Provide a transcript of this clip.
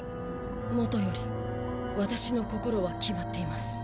もとよりワタシの心は決まっています。